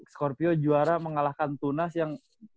skorpio juara mengalahkan tunas yang